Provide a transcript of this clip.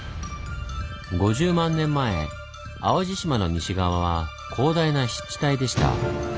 ５０万年前淡路島の西側は広大な湿地帯でした。